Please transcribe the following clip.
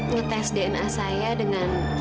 ngetes dna saya dengan